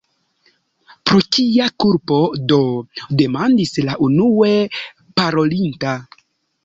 "Pro kia kulpo do?" demandis la unue parolinta.